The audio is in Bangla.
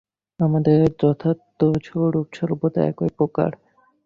আমাদের যথার্থ স্বরূপ সর্বদা একই প্রকার।